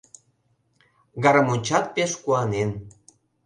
Гармоньчат пеш куанен.